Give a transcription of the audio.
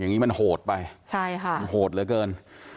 อย่างนี้มันโหดไปใช่ค่ะมันโหดเหลือเกิน